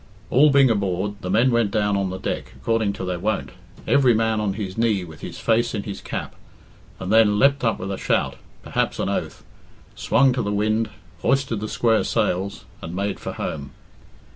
All being aboard, the men went down on the deck, according to their wont, every man on his knee with his face in his cap, and then leapt up with a shout (perhaps an oath), swung to the wind, hoisted the square sails, and made for home.